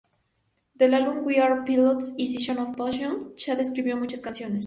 Del álbum "We Are Pilots" y "Season of Poison", Chad escribió muchas canciones.